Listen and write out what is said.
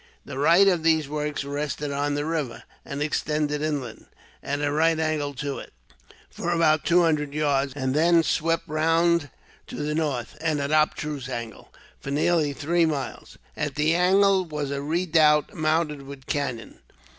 The right of these works rested on the river; and extended inland, at a right angle to it, for about two hundred yards; and then swept round to the north, at an obtuse angle, for nearly three miles. At the angle was a redoubt, mounted with cannon.